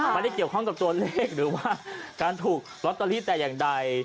ไม่ได้เกี่ยวข้องกับตัวเลขหรือว่าการถูกลอตเตอรี่แต่อย่างใด